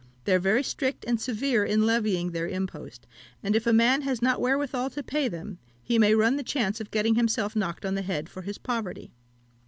They are very strict and severe in levying their impost; and if a man has not wherewithal to pay them, he may run the chance of getting himself knocked on the head for his poverty.